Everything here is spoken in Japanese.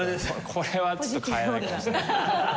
これはちょっと買えないかもしれない。